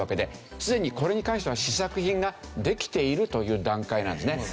すでにこれに関しては試作品ができているという段階なんですね。